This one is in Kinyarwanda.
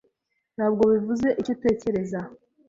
Ntabwo bivuze icyo utekereza.